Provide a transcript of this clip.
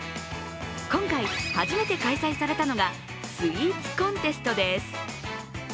今回初めて開催されたのがスイーツコンテストです。